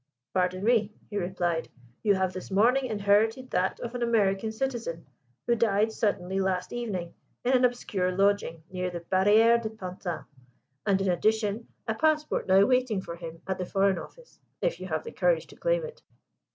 'Pardon me,' he replied, 'you have this morning inherited that of an American citizen who died suddenly last evening in an obscure lodging near the Barriere de Pantin; and, in addition, a passport now waiting for him at the Foreign Office, if you have the courage to claim it.